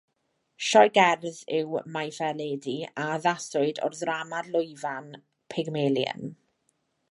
Sioe gerdd yw My Fair Lady a addaswyd o'r ddrama lwyfan Pygmalion.